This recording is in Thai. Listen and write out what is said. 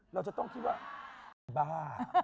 เราจะต้องคิดว่าจะบ้า